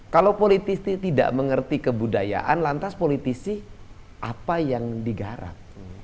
kalau politisi tidak mengerti kebudayaan lantas politisi apa yang digarap